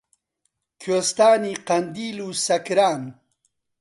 کوێستانی قەندیل و سەکران